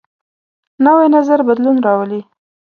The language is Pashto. نوی نظر بدلون راولي